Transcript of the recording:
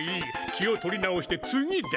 気を取り直して次だ。